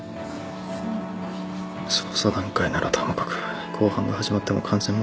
捜査段階ならともかく公判が始まっても完全黙秘って。